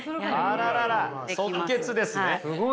あららら即決ですね。